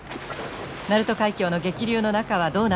鳴門海峡の激流の中はどうなっているのか？